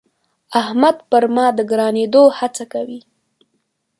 احمد پر ما د ګرانېدو هڅه کوي.